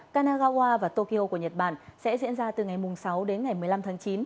kanagawa và tokyo của nhật bản sẽ diễn ra từ ngày sáu đến ngày một mươi năm tháng chín